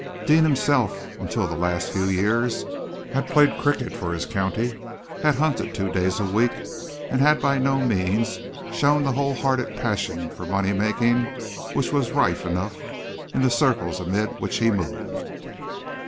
Deane himself, until the last few years, had played cricket for his county, had hunted two days a week, and had by no means shown that whole hearted passion for money making which was rife enough in the circles amid which he moved.